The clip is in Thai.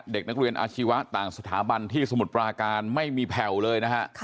เด็กนักเรียนอาชีวะต่างสถาบันที่สมุทรปราการไม่มีแผ่วเลยนะฮะ